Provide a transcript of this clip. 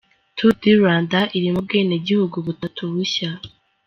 Tour du Rwanda irimo ubwenegihugu butatu bushya .